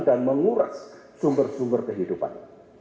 dan menguras sumber sumber kehidupan